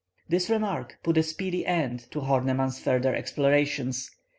This remark put a speedy end to Horneman's further explorations.